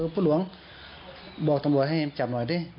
พระหลวงบอกตำรวจให้จับหน่อยดิ